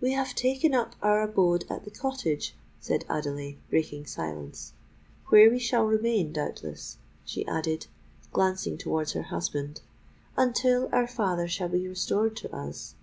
"We have taken up our abode at the Cottage," said Adelais, breaking silence; "where we shall remain, doubtless," she added, glancing towards her husband, "until our father shall be restored to us."